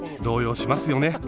動揺しますよね。